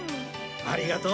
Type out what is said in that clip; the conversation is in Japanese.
ありがとう。